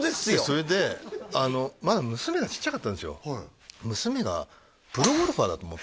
それでまだ娘がちっちゃかったんですよ